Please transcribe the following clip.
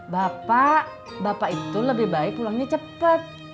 bapak bapak itu lebih baik pulangnya cepat